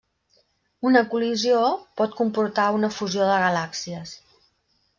Una col·lisió pot comportar una fusió de galàxies.